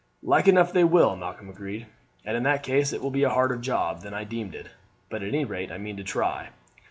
"Like enough they will," Malcolm agreed, "and in that case it will be a harder job than I deemed it. But at any rate I mean to try.